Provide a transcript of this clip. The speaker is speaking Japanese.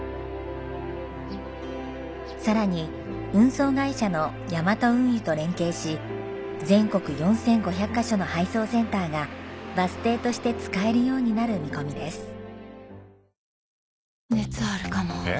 さらに運送会社のヤマト運輸と連携し全国４５００カ所の配送センターがバス停として使えるようになる見込みです。